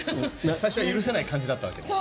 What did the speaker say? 最初は許せない感じだったわけね。